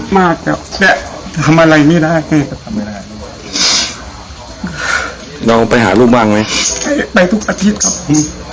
มากเจ้าแม่ทำอะไรไม่ได้ลองไปหาลูกบ้างไหมไปทุกอาทิตย์ครับผม